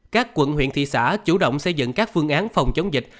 các quận huyện thị xã chủ động xây dựng các phương án phòng chống dịch